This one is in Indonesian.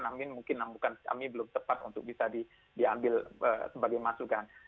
namun mungkin kami belum tepat untuk bisa diambil sebagai masukan